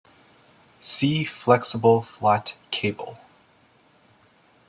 See flexible flat cable.